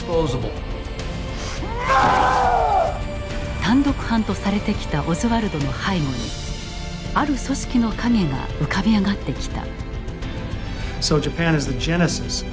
単独犯とされてきたオズワルドの背後にある組織の影が浮かび上がってきた。